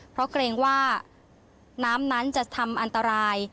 เพราะเกรงว่าน้ำนั้นจะทำอันตราย